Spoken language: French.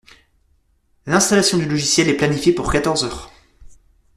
L'installation du logiciel est planifiée pour quatorze heures.